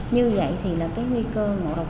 như vậy thì là cái nguy cơ